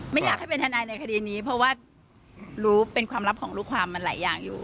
ไม่อยากให้เป็นทนายในคดีนี้เพราะว่ารู้เป็นความลับของลูกความมันหลายอย่างอยู่